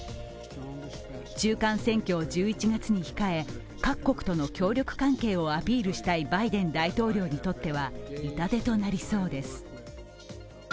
中間選挙を１１月に控え各国との協力関係をアピールしたいバイデン大統領にとっては痛手となりそうです。